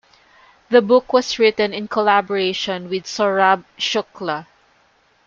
The book was written in collaboration with Saurabh Shukla.